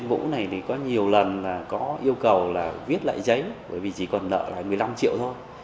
bởi vì chỉ còn nợ một mươi năm triệu thôi